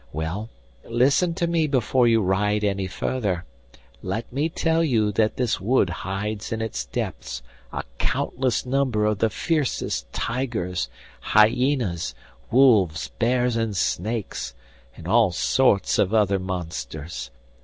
Well, listen to me before you ride any further; let me tell you that this wood hides in its depths a countless number of the fiercest tigers, hyenas, wolves, bears, and snakes, and all sorts of other monsters.